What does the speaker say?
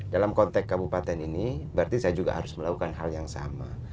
dalam konteks kabupaten ini berarti saya juga harus melakukan hal yang sama